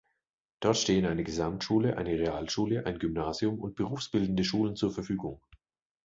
Dort stehen eine Gesamtschule, eine Realschule, ein Gymnasium und Berufsbildende Schulen zur Verfügung.